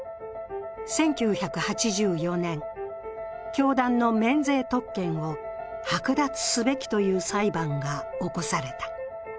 １９８４年、教団の免税特権を剥奪すべきという裁判が起こされた。